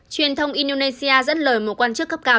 truyền thông indonesia dẫn lời một quan chức cấp cao